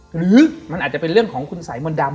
หรือมันอาจจะเป็นเรื่องของคุณสายมนต์ดำ